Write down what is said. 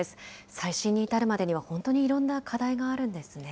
再審に至るまでには、本当にいろんな課題があるんですね。